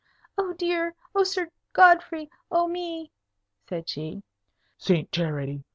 "Oh, dear: oh, Sir Godfrey! Oh, me!" said she. "Saint Charity!